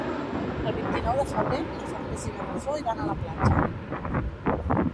El vint-i-nou de febrer na Farners i na Rosó iran a la platja.